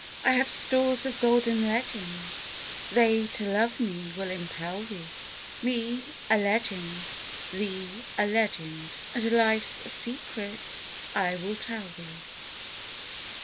I have stores of golden legends. They to love me will impell thee; Me—a legend; thee—a legend, And life's secret I will tell thee.